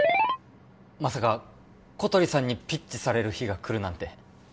まさか小鳥さんにピッチされる日が来るなんて